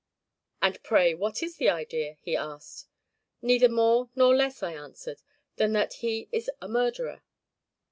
'And pray what is the idea?' he asked. 'Neither more nor less,' I answered, 'than that he is a murderer!